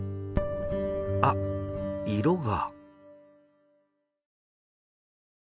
あっ色が。